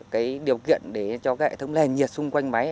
cái điều kiện để cho cái hệ thống lền nhiệt xung quanh máy